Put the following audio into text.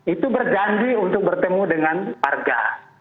itu berjanji untuk bertemu dengan warga